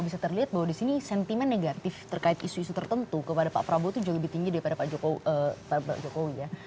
bisa terlihat bahwa di sini sentimen negatif terkait isu isu tertentu kepada pak prabowo itu jauh lebih tinggi daripada pak jokowi ya